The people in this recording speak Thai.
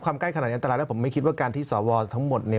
ใกล้ขนาดนี้อันตรายแรกผมไม่คิดว่าการที่สวทั้งหมดเนี่ย